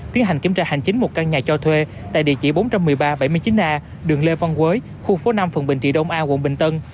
tiến hành kiểm tra hành chính một căn nhà cho thuê tại địa chỉ bốn trăm một mươi ba bảy mươi chín a đường lê văn quế khu phố năm phường bình trị đông a quận bình tân